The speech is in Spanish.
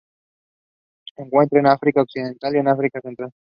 Se encuentra en África occidental y África Central.